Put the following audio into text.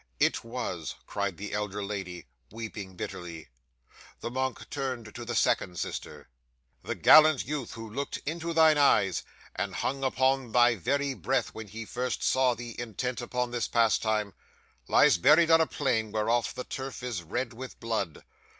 '"It was," cried the elder lady, weeping bitterly. 'The monk turned to the second sister. '"The gallant youth who looked into thine eyes, and hung upon thy very breath when first he saw thee intent upon this pastime, lies buried on a plain whereof the turf is red with blood.